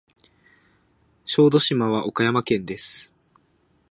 小豆島は岡山県です。